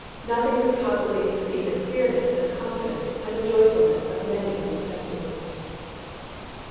Nothing could possibly exceed the clearness and the confidence and the joyfulness of many of these testimonies.